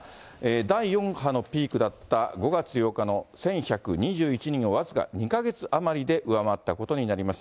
第４波のピークだった５月８日の１１２１人を、僅か２か月余りで上回ったことになります。